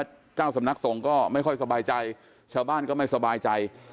เจ้าสำนักสงฆ์ก็ไม่ค่อยสบายใจชาวบ้านก็ไม่สบายใจ